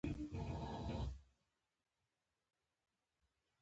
نړۍ د روغتیا او ثبات په پلمه خپل لښکر راوست.